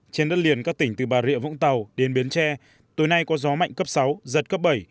trên đất liền các tỉnh từ bà rịa vũng tàu đến bến tre tối nay có gió mạnh cấp sáu giật cấp bảy